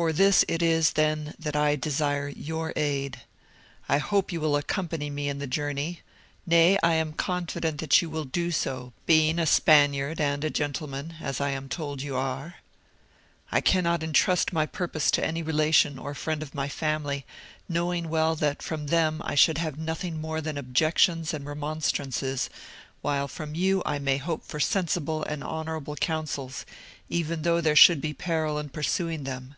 For this it is, then, that I desire your aid. I hope you will accompany me in the journey; nay, I am confident that you will do so, being a Spaniard and a gentleman, as I am told you are. "I cannot entrust my purpose to any relation or friend of my family, knowing well that from them I should have nothing more than objections and remonstrances, while from you I may hope for sensible and honourable counsels, even though there should be peril in pursuing them.